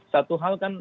satu hal kan